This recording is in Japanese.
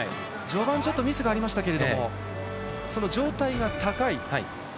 序盤ちょっとミスがありましたが上体が高い。